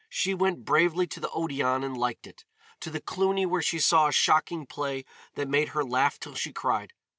She went bravely to the Odéon and liked it, to the Cluny where she saw a shocking play that made her laugh till she cried.